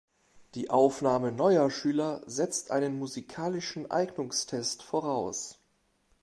Die Aufnahme neuer Schüler setzt einen musikalischen Eignungstest voraus.